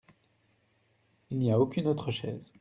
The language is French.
Il n’y a aucune autre chaise.